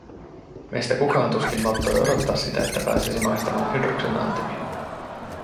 Meistä kukaan tuskin malttoi odottaa sitä, että pääsisi maistamaan Hydruksen antimia.